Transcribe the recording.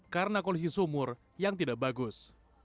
karena kondisi sumur yang tidak bagus